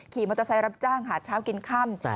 ขี่มอเตอร์ไซค์รับจ้างหาเช้ากินค่ำ